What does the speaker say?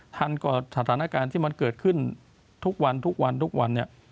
ทันกับสถานการณ์ที่มันเกิดขึ้นทุกวันนี่